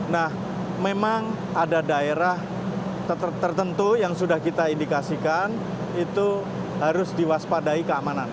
nah memang ada daerah tertentu yang sudah kita indikasikan itu harus diwaspadai keamanan